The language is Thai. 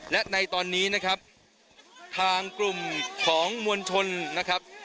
และในตอนนี้นะครับทางกลุ่มของมวลชนนะครับ